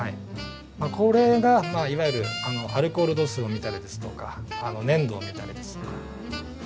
これがいわゆるアルコール度数を見たりですとか粘度を見たりですとか。